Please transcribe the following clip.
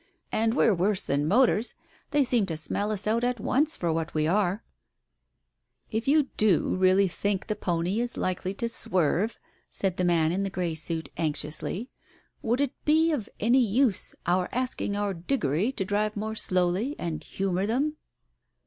And we're worse than motors — they seem to smell us out at once for what we are 1 " Digitized by Google THE COACH i 4I "If you do really think that pony is likely to swerve," said the man in the grey suit, anxiously, "would it be of any use our asking old Diggory to drive more slowly and humour them